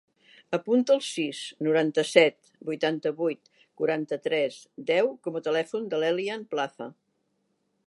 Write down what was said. Apunta el sis, noranta-set, vuitanta-vuit, quaranta-tres, deu com a telèfon de l'Elian Plaza.